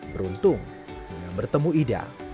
beruntung dengan bertemu ida